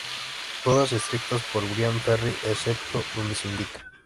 Todas escritas por Bryan Ferry excepto donde se indica.